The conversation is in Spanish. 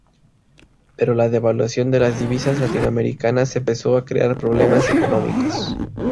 Pero la devaluación de las divisas latinoamericanas empezó a crear problemas económicos.